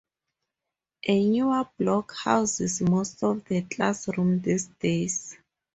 A Newer block houses most of the class rooms these days.